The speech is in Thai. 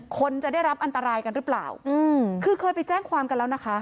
คนจะได้รับอันตรายกันหรือเปล่าอืมคือเคยไปแจ้งความกันแล้วนะคะ